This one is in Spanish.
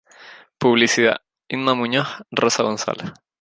Publicidad: Inma Muñoz, Rosa González.